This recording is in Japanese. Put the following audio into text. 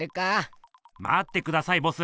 まってくださいボス。